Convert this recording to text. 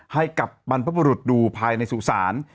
ให้กับบรรพบุรุษดูภายในสุสาน